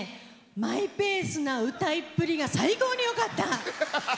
マイペースな歌いっぷりが最高によかった。